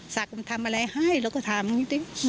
สักทำอะไรให้เราก็ถามอย่างนี้